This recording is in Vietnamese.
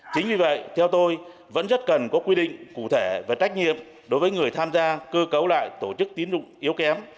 chính vì vậy theo tôi vẫn rất cần có quy định cụ thể về trách nhiệm đối với người tham gia cơ cấu lại tổ chức tín dụng yếu kém